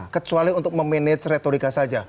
kecuali untuk memanage retorika saja